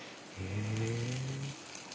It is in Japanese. うん？